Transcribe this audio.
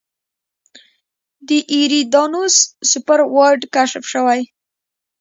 د ایریدانوس سوپر وایډ کشف شوی.